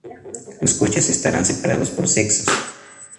Los coches estarán separados por sexos.